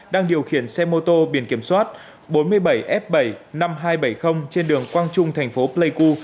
đang điều khiển xe mô tô biển kiểm soát bốn mươi bảy f bảy mươi năm nghìn hai trăm bảy mươi trên đường quang trung thành phố pleiku